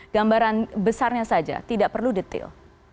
gambaran besarnya saja tidak perlu detail